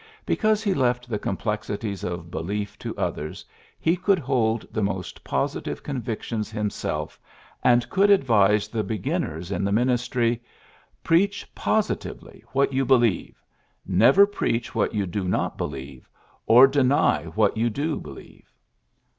Because he left the complexities of belief to others, he could hold the most positive convictions himself, and could advise the beginners in the ministry :^^ Preach positively what you believe. Never preach what you do not believe, or deny what you do believe.